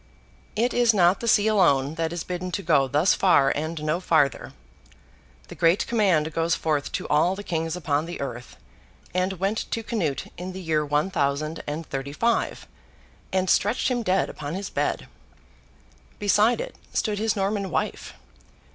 It is not the sea alone that is bidden to go 'thus far, and no farther.' The great command goes forth to all the kings upon the earth, and went to Canute in the year one thousand and thirty five, and stretched him dead upon his bed. Beside it, stood his Norman wife.